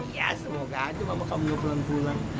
ya semoga aja mama kamu gak pulang pulang